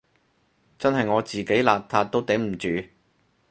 真係我自己邋遢都頂唔住